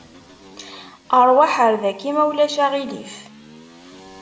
Aṛwaḥ ar daki ma ulac aɣilif.